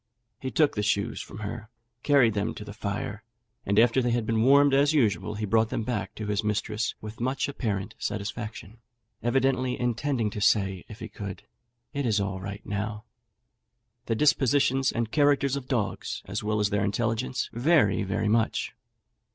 He took the shoes from her, carried them to the fire, and after they had been warmed as usual, he brought them back to his mistress with much apparent satisfaction, evidently intending to say, if he could, "It is all right now." The dispositions and characters of dogs, as well as their intelligence, vary very much.